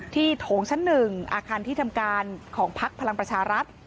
ที่โถงชั้นหนึ่งอาคารที่ทำการของพักธ์พลังปัชครัฐ